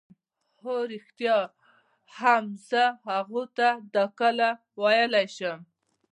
اه ریښتیا هم زه هغو ته دا کله ویلای شم.